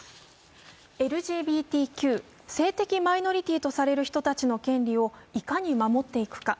ＬＧＢＴＱ、性的マイノリティーとされる人たちの権利をいかに守っていくか。